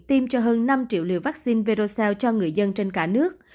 tiêm cho hơn năm triệu liệu vắc xin verocell cho người dân trên cả nước